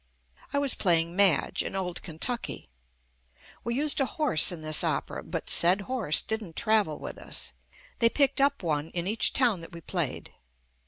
I was playing "Madge" in "Old Kentucky." We used a horse in this opera, but said horse didn't travel with us. They picked up one in each town that we played.